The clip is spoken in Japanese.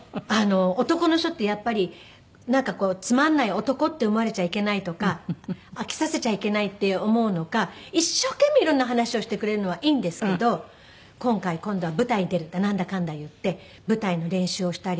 男の人ってやっぱりなんかこうつまんない男って思われちゃいけないとか飽きさせちゃいけないって思うのか一生懸命いろんな話をしてくれるのはいいんですけど今回今度は舞台に出るってなんだかんだ言って舞台の練習をしたり。